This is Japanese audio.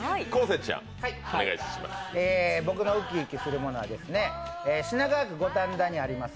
僕のウキウキするものは品川区五反田にあります